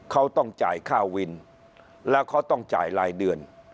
เขาต้องจ่ายค่าวินแล้วเขาต้องจ่ายรายเดือน